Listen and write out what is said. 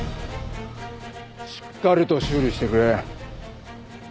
しっかりと修理してくれ。